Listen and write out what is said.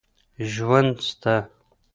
ژوند سته.